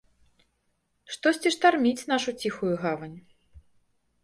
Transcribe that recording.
Штосьці штарміць нашу ціхую гавань.